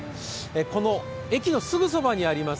この駅のすぐそばにあります